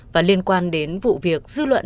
và liên quan đến vụ việc dư luận